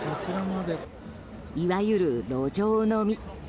いわゆる路上飲み。